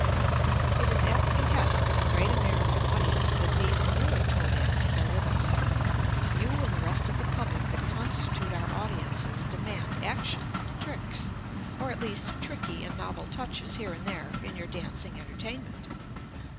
It is at the behest of the great American audience that these newer toe dances are with us. You and the rest of the public that constitute our audiences demand action, tricks or at least tricky and novel touches here and there in your dancing entertainment.